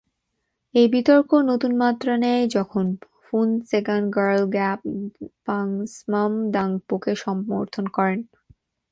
এই বিতর্ক নতুন মাত্রা নেয় যখন ফুন-ত্শোগ্স-র্নাম-র্গ্যাল দ্পাগ-ব্সাম-দ্বাং-পোকে সমর্থন করেন।